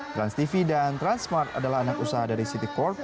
transtv dan transmart adalah anak usaha dari city corp